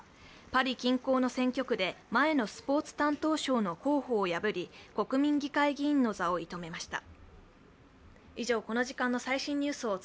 パリ近郊の選挙区で前のスポーツ担当相の候補を破り、国民議会議員の座を射止めました。